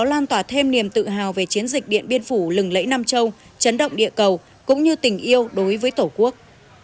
lan tỏa thêm niềm tự hào về chiến dịch điện biên phủ lừng lẫy nam châu chấn động địa cầu cũng như tình yêu đối với tổ quốc